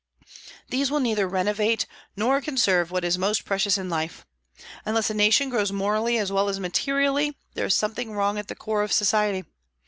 These will neither renovate nor conserve what is most precious in life. Unless a nation grows morally as well as materially, there is something wrong at the core of society.